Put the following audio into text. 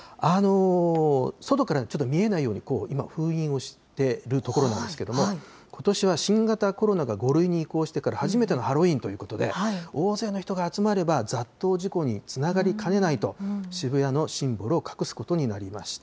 外からちょっと見えないように、今、封印をしてるところなんですけれども、ことしは、新型コロナが５類に移行してから初めてのハロウィーンということで、大勢の人が集まれば雑踏事故につながりかねないと、渋谷のシンボルを隠すことになりました。